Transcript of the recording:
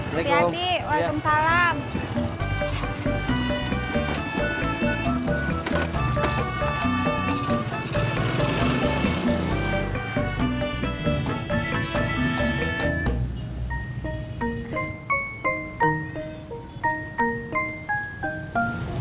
berhenti henti warahmatullahi wabarakatuh